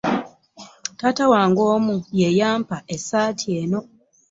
Taata wange omu ye yampa essaati eyo.